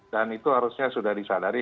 dan itu harusnya sudah disadari